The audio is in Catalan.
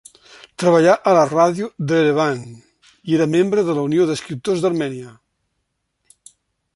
Treballà a la ràdio d'Erevan i era membre de la Unió d'escriptors d'Armènia.